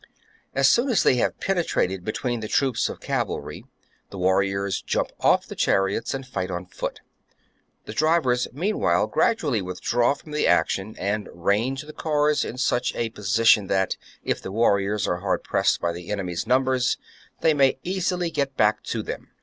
As soon as they have penetrated between the troops of cavalry,^ the warriors jump off the chariots and fight on foot. The drivers meanwhile gradually withdraw from the action, and range the cars in such a position that, if the warriors are hard pressed by the enemy's numbers, they may easily get back to them.